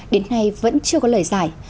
đến nay vẫn chưa có lời giải